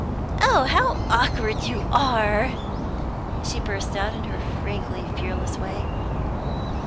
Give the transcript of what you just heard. "Oh, how awkward you are!" she burst out, in her frankly fearless way.